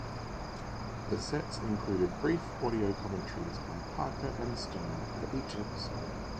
The sets included brief audio commentaries by Parker and Stone for each episode.